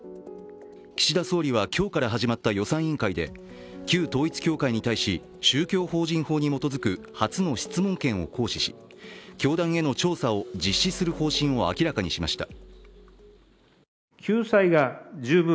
岸田総理は今日から始まった予算委員会で旧統一教会に対し、宗教法人法に基づく初の質問権を行使し教団への調査を実施する方針を明らかにしました。